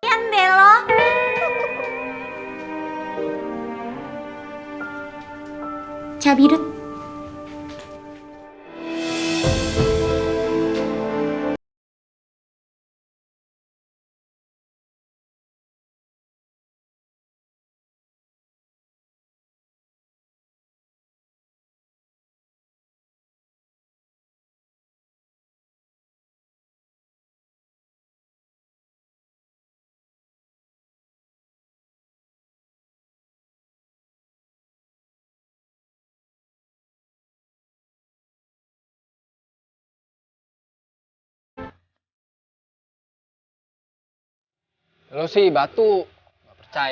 sampai jumpa di video selanjutnya